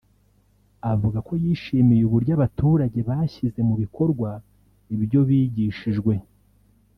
avuga ko yishimiye uburyo abaturage bashyize mu bikorwa ibyo bigishijwe